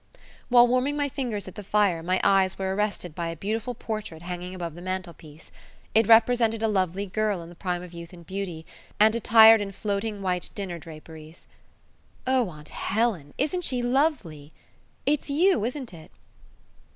While warming my fingers at the fire my eyes were arrested by a beautiful portrait hanging above the mantelpiece. It represented a lovely girl in the prime of youth and beauty, and attired in floating white dinner draperies. "Oh, aunt Helen! isn't she lovely? It's you, isn't it?"